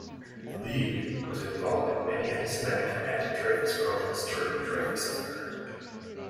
The Ligue was involved in many anti-Semitic and anti-Dreyfus protests during the Dreyfus Affair.